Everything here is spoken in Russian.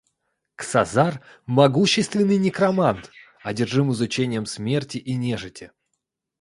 Ксазар, могущественный некромант, одержим изучением смерти и нежити.